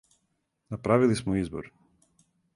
Направили смо избор.